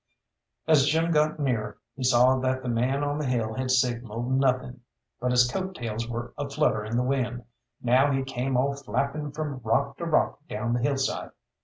As Jim got nearer he saw that the man on the hill had signalled nothing, but his coat tails were a flutter in the wind. Now he came all flapping from rock to rock down the hillside.